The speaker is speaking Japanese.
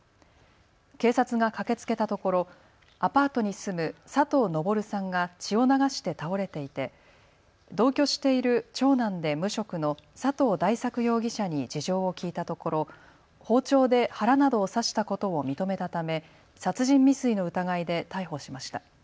警察が駆けつけたところ、アパートに住む佐藤登さんが血を流して倒れていて同居している長男で無職の佐藤大作容疑者に事情を聞いたところ包丁で腹などを刺したことを認めたため殺人未遂の疑いで逮捕しました。